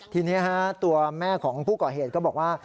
ทีนี้ตัวแม่ของผู้ก่อเหตุก็บอกว่า